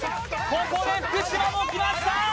ここで福島もきました